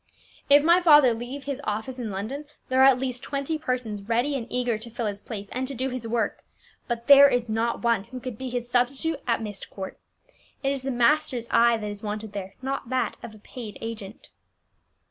"If my father leave his office in London, there are at least twenty persons ready and eager to fill his place, and to do his work; but there is not one who could be his substitute at Myst Court. It is the master's eye that is wanted there, not that of a paid agent."